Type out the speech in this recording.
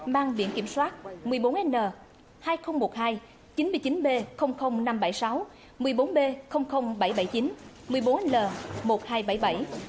mang viện kiểm soát một mươi bốn n hai nghìn một mươi hai chín mươi chín b năm trăm bảy mươi sáu một mươi bốn b bảy trăm bảy mươi chín một mươi bốn l một nghìn hai trăm bảy mươi bảy một mươi năm b một nghìn chín trăm linh một